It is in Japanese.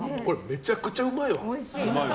めちゃくちゃうまいわ。